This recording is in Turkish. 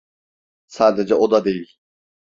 Sadece o da değil.